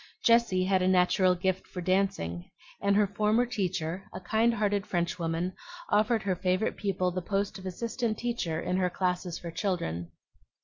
Jessie had a natural gift for dancing; and her former teacher, a kind hearted Frenchwoman, offered her favorite pupil the post of assistant teacher in her classes for children.